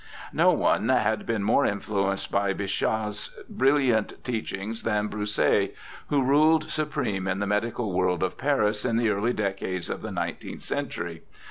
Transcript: No one had been more influenced by Bichat's brilHant teachings than Broussais, who ruled supreme in the medical world of Paris in the early decades of the nine teenth century.